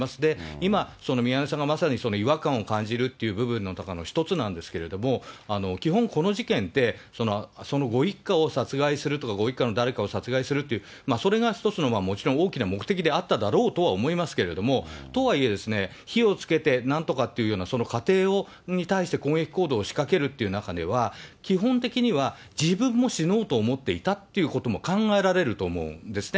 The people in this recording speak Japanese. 今、宮根さんがまさに違和感を感じるっていう部分の一つなんですけれども、基本、この事件って、そのご一家を殺害するとか、ご一家の誰かを殺害するっていう、それが一つのもちろん大きな目的であっただろうとは思いますけれども、とはいえですね、火をつけてなんとかっていうような、その過程に対して、攻撃行動を仕掛けるっていう中では、基本的には自分も死のうと思っていたっていうことも考えられると思うんですね。